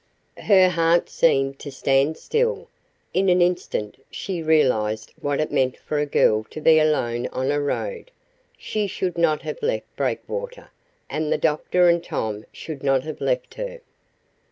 Her heart seemed to stand still. In an instant she realized what it meant for a girl to be alone on a road she should not have left Breakwater, and the doctor and Tom should not have left her.